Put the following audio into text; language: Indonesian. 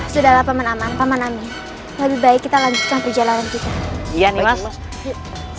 sudah lapar menambah paman amin lebih baik kita lanjutkan perjalanan kita iya nih mas